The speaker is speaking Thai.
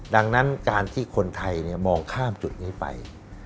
ดังนั้นการที่คนไทยมองข้ามจุดนี้ไป